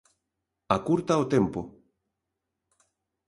Acurta o tempo.